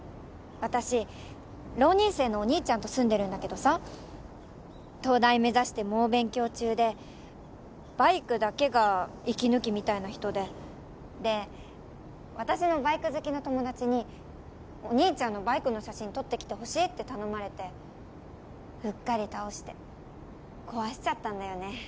私浪人生のお兄ちゃんと住んでるんだけどさ東大目指して猛勉強中でバイクだけが息抜きみたいな人でで私のバイク好きの友達にお兄ちゃんのバイクの写真撮ってきてほしいって頼まれてうっかり倒して壊しちゃったんだよね